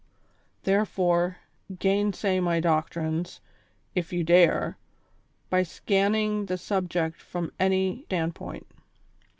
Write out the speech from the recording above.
Therefore, gainsay my doctrines, if you dare, by scan ning the subject from any standpoint.